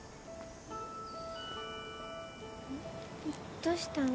どうしたの？